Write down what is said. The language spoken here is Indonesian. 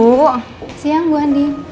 selamat siang bu andi